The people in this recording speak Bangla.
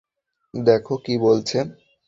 দেখো কী বলছে।